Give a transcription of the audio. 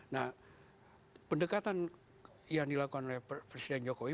nah pendekatan yang dilakukan oleh presiden jokowi